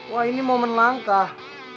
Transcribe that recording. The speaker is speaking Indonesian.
wah ini momen langkah